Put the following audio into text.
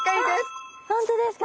わっ本当ですか！？